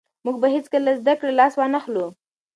موږ به هېڅکله له زده کړې لاس ونه اخلو.